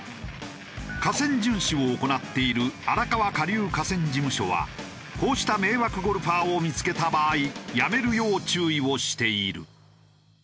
河川巡視を行っている荒川下流河川事務所はこうした迷惑ゴルファーを見付けた場合やめるよう注意をしている。